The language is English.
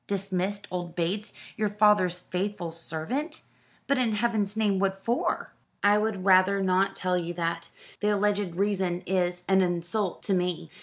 "Dismissed old Bates, your father's faithful servant! But in Heaven's name what for?" "I would rather not tell you that. The alleged reason is an insult to me.